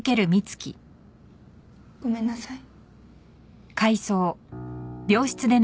ごめんなさい。